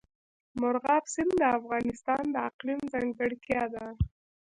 مورغاب سیند د افغانستان د اقلیم ځانګړتیا ده.